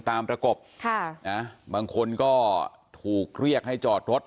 ประกบค่ะนะบางคนก็ถูกเรียกให้จอดรถ